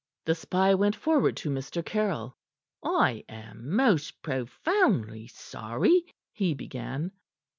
The spy went forward to Mr. Caryll. "I am most profoundly sorry " he began.